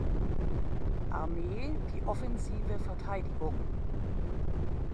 Armee die „offensive Verteidigung“.